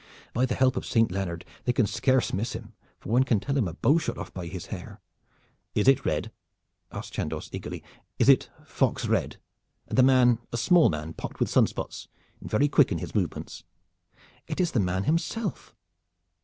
By the help of Saint Leonard they can scarce miss him, for one can tell him a bow shot off by his hair." "Is it red?" asked Chandos eagerly. "Is it fox red, and the man a small man pocked with sun spots, and very quick in his movements?" "It is the man himself."